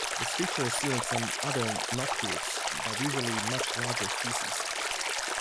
This feature is seen on some other noctuids, but usually much larger species.